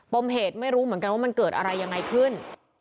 มเหตุไม่รู้เหมือนกันว่ามันเกิดอะไรยังไงขึ้น